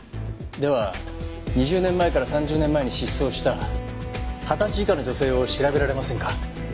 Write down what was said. では２０年前から３０年前に失踪した二十歳以下の女性を調べられませんか？